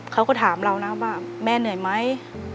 เขาก็ถามเรานะว่าแม่เหนื่อยไหม